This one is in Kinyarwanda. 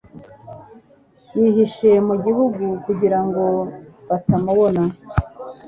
Yihishe mu gihuru kugira ngo batamubona